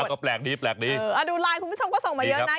ก็แปลกดีแปลกดีเออดูไลน์คุณผู้ชมก็ส่งมาเยอะนะ